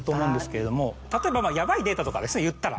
例えばヤバいデータとかですねいったら。